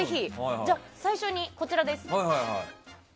じゃあ、最初にこちらです。